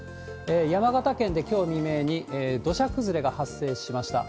山形県できょう未明に土砂崩れが発生しました。